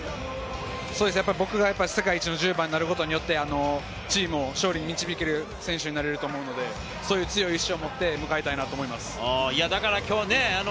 僕が世界一の１０番になることによって、チームを勝利に導けれる選手になりたいと思うので、強い意志をもって、向かいたいと思います。